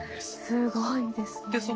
すごいですね。